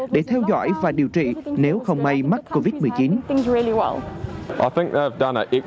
để theo dõi và điều trị nếu không may mắc covid một mươi chín